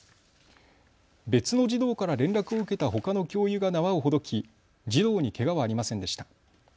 別の児童から連絡を受けたほかの教諭が縄をほどき児童にけがはありませんでした。